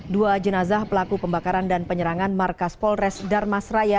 dua jenazah pelaku pembakaran dan penyerangan markas polres darmas raya